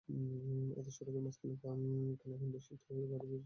এতে সড়কের মাঝখানে খানাখন্দের সৃষ্টি হওয়ায় গাড়ি পাশ দিয়ে চলাচল করছে।